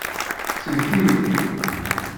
Sellket-iyi.